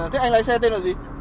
thế anh lái xe tên là gì